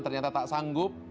ternyata tak sanggup